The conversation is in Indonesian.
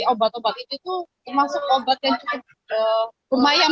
obat obat itu termasuk obat yang cukup